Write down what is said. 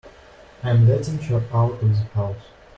I'm letting her out of the house.